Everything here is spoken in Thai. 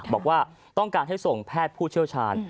บอกว่าต้องการให้ส่งแพทย์ผู้เชี่ยวชาญ